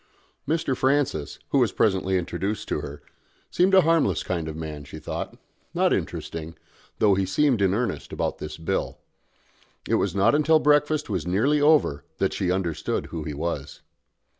Mr. Francis, who was presently introduced to her, seemed a harmless kind of man, she thought, not interesting, though he seemed in earnest about this Bill. It was not until breakfast was nearly over that she understood who he was.